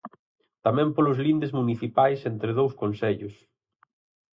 Tamén polos lindes municipais entre dous concellos.